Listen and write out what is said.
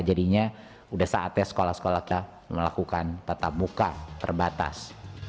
jadinya sudah saatnya sekolah sekolah melakukan tatap muka terbatas